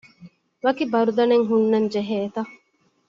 ވަކި ބަރުދަނެއް ހުންނަންޖެހޭތަ؟